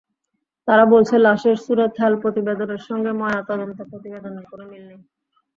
তারা বলছে, লাশের সুরতহাল প্রতিবেদনের সঙ্গে ময়নাতদন্ত প্রতিবেদনের কোনো মিল নেই।